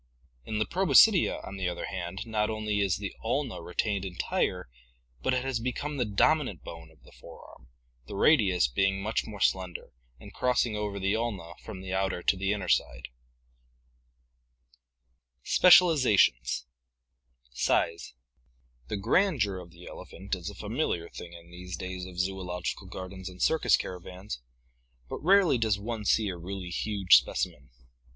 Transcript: In the Probos sbo*ing the serial carpnia cidea, on the other hand, not only is the n0w^j bomS' (After ulna retained entire, but it has become the dominant bone of the fore arm, the radius being much more slender and crossing over the ulna from the outer to the inner side. (See PI. XXII.) Specializations Size. — The grandeur of the elephant is a familiar thing in these days of zoological gardens and circus caravans, but rarely does one see a really huge specimen.